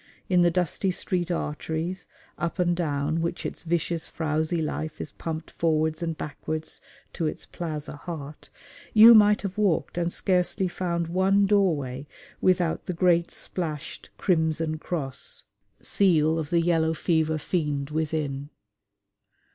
In the dusty street arteries, up and down which its vicious, frowsy life is pumped forwards and backwards to its plaza heart, you might have walked and scarcely found one doorway without the great splashed crimson cross seal of the yellow fever fiend within.